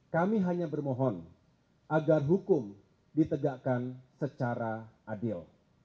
kami hanya bermohon agar hukum ditegakkan secara adil